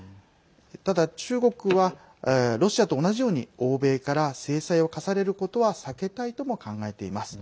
ただ、中国はロシアと同じように欧米から制裁を科されることは避けたいとも考えています。